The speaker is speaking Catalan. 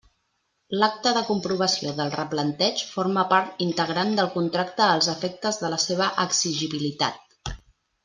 L'acta de comprovació del replanteig forma part integrant del contracte als efectes de la seva exigibilitat.